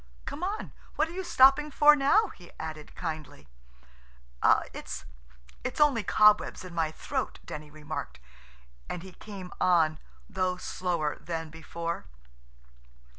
Come on. What are you stopping for now?" he added kindly. "It's–it's only cobwebs in my throat," Denny remarked, and he came on, though slower than before.